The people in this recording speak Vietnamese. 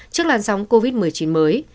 trước lan sóng covid một mươi chín mới